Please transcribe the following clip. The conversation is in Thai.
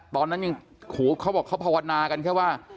ตอนนั้นยังเขาบอกเขาภาวนากันแค่ว่า